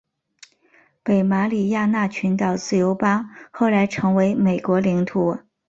北马里亚纳群岛自由邦后来成为美国领土。